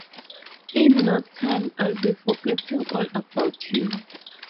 In no time, I'll be forgetting all about you.